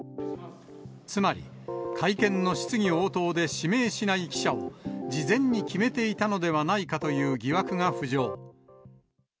つまり、会見の質疑応答で指名しない記者を事前に決めていたのではないかという疑惑が浮上。